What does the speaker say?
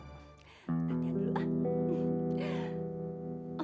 tanya dulu ah